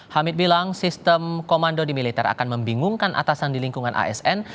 hamid bilang sistem komando di militer akan membingungkan atasan di lingkungan asn